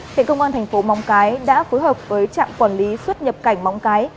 tỉnh công an tp mong cái đã phối hợp với trạm quản lý xuất nhập cảnh mong cái